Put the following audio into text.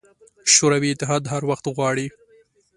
شوروي اتحاد هر وخت غواړي.